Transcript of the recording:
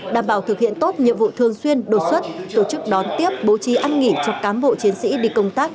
đảm bảo thực hiện tốt nhiệm vụ thường xuyên đột xuất tổ chức đón tiếp bố trí ăn nghỉ cho cám bộ chiến sĩ đi công tác